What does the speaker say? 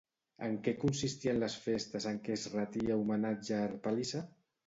En què consistien les festes en què es retia homenatge a Harpàlice?